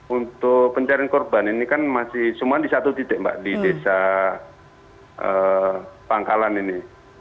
untuk pencarian korban ini kan masih semua di satu titik mbak di desa pangkalan ini